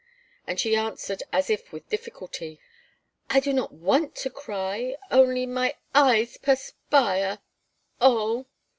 And she answered as if with difficulty: "I do not want to cry only my eyes perspire oh!"